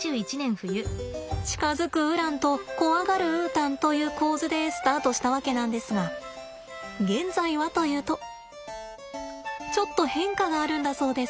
近づくウランと怖がるウータンという構図でスタートしたわけなんですが現在はというとちょっと変化があるんだそうです。